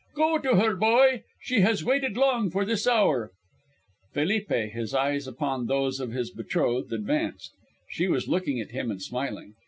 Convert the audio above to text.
Go to her, boy. She has waited long for this hour." Felipe, his eyes upon those of his betrothed, advanced. She was looking at him and smiling.